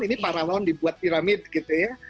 ini paralon dibuat piramid gitu ya